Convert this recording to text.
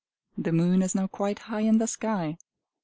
The moon is now quite high in the sky.